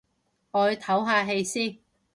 我去唞下氣先